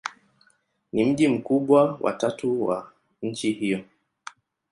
Ni mji mkubwa wa tatu wa nchi hiyo.